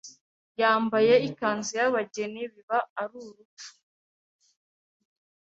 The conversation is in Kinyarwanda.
yambaye ikanzu y’abageni biba ari urupfu